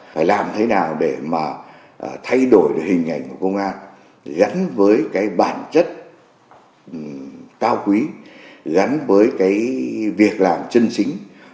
phải làm thế nào để mà thay đổi hình ảnh của công an gắn với cái bản chất cao quý gắn với cái việc làm chân chính